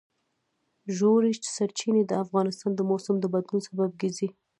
ژورې سرچینې د افغانستان د موسم د بدلون سبب کېږي.